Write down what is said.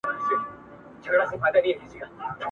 مهاجره اوښکه کومه خوا رهي ده؟